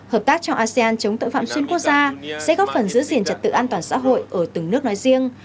hợp tác trong asean chống tội phạm xuyên quốc gia sẽ góp phần giữ diện trật tự an toàn xã hội ở từng nước nói riêng